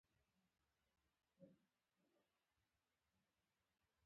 یو کتاب راکړه، ګلونه پاڼې، پاڼې